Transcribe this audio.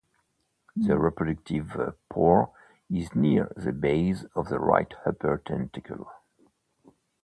The reproductive pore is near the base of the right upper tentacle.